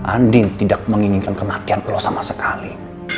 andien tidak menginginkan kematian lo sama sekali